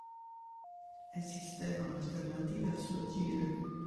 Esistevano alternative al suo agire?